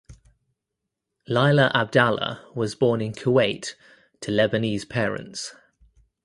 Laila Abdallah was born in Kuwait to Lebanese parents.